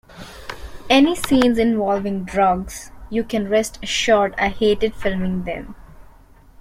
Any scenes involving drugs, you can rest assured I hated filming them.